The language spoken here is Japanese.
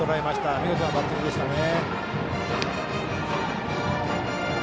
見事なバッティングでしたね。